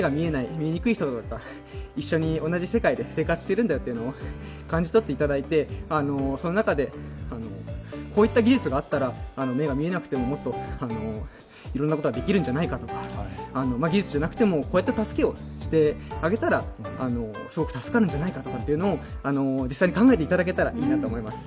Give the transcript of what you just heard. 見にくい人と一緒に生活しているんだよというのを感じ取っていただいて、その中で、こういった技術があったら、目が見えなくてももっといろんなことができるんじゃないかとか、技術じゃなくてもこうやって助けをしてあげたらすごく助かるんじゃないかというのを実際に考えていただけたらいいんじゃないかと思います。